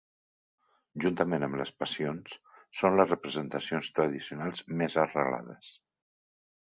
Juntament amb les passions, són les representacions tradicionals més arrelades.